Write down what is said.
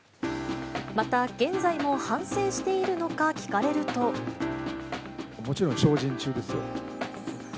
また、現在も反省しているのもちろん精進中ですよ。